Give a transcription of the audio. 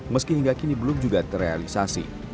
meski hingga kini belum juga terrealisasi